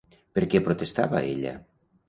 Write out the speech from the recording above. Per què protestava ella?